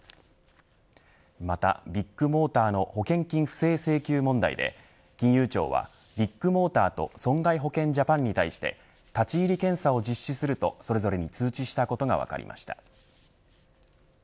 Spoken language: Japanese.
また、ビッグモーターの保険金不正請求問題で金融庁はビッグモーターと損害保険ジャパンに対して立ち入り検査を実施するとそれぞれに通知したことが分かりました。